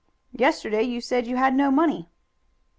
'Yesterday you said you had no money.'